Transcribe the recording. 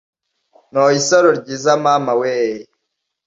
- ntoye isaro ryiza mama weee!